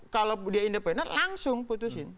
kalau dia independen langsung putusin